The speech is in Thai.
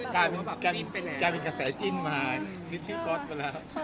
แกมีกระแสจิ้นมาพิธีฟอสมาแล้ว